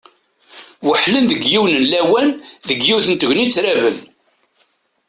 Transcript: Weḥlen deg yiwen n lawan, deg yiwet n tegnit raben.